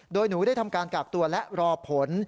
โดยหนูได้ทำการกากตัวและรอผล